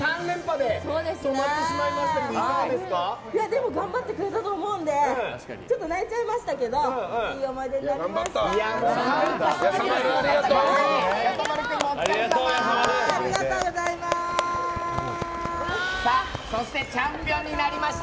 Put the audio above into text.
でも頑張ってくれたと思うので泣いちゃいましたけどいい思い出になりました。